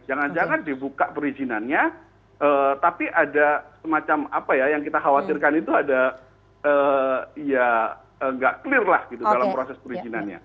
jangan jangan dibuka perizinannya tapi ada semacam apa ya yang kita khawatirkan itu ada ya nggak clear lah gitu dalam proses perizinannya